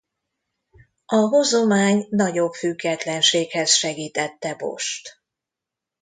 A hozomány nagyobb függetlenséghez segítette Boscht.